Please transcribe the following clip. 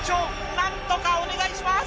なんとかお願いします！